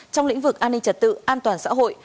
trong lĩnh vực an ninh trật tự an toàn xã hội